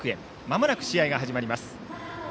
まもなく試合が始まります。